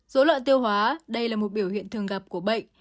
dối loạn tiêu hóa đây là một biểu hiện thường gặp của bệnh